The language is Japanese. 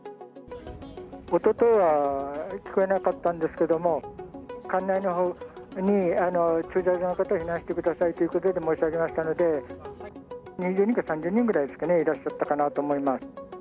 おとといは聞こえなかったんですけれども、館内に、駐車場の方は避難してくださいということで申し上げましたので、２０人か３０人ですかね、いらっしゃったかなと思います。